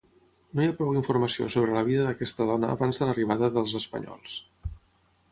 No hi ha prou informació sobre la vida d'aquesta dona abans de l'arribada dels espanyols.